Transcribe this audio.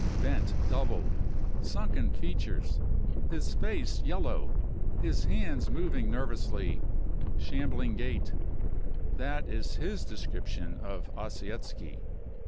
Bent double, sunken features, his face yellow, his hands moving nervously, shambling gait— that is his description of Ossietzky.